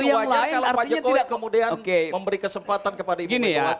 tapi wajar kalau pak jokowi kemudian memberi kesempatan kepada ibu megawati